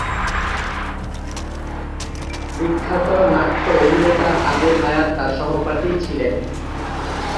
বিখ্যাত নাট্য অভিনেতা আবুল হায়াৎ তার সহপাঠী ছিলেন।